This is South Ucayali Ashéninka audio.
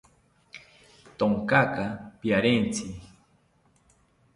Thonkaka piarentzi